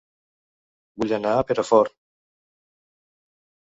Vull anar a Perafort